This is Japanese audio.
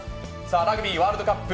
ラグビーワールドカップ